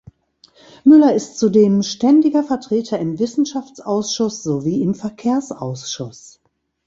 Müller ist zudem ständiger Vertreter im Wissenschaftsausschuss sowie im Verkehrsausschuss.